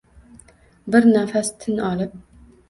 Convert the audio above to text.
bir nafas tin olib…